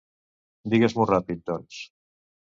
Digues-m'ho ràpid, doncs.